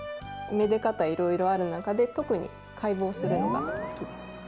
愛で方いろいろある中で特に解剖するのが好きです。